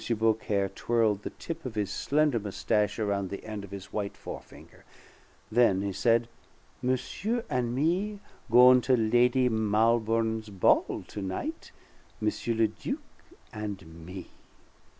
Beaucaire twirled the tip of his slender mustache around the end of his white forefinger. Then he said: "Monsieur and me goin' to Lady Malbourne's ball to night M. le Duc and me!"